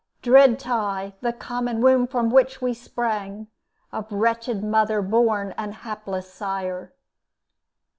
"Dread tie, the common womb from which we sprang, Of wretched mother born and hapless sire."